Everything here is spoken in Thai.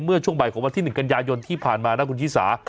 เมื่อช่วงบ่ายของวันที่๑กันยายนที่ผ่านมานะคุณชิสา